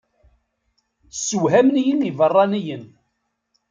Ssewhamen-iyi ibeṛṛaniyen.